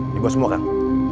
ini buat semua kang